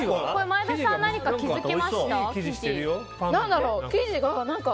前田さん何か気づきましたか？